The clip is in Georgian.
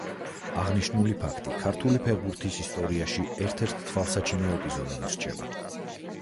აღნიშნული ფაქტი ქართული ფეხბურთის ისტორიაში ერთ-ერთ თვალსაჩინო ეპიზოდად რჩება.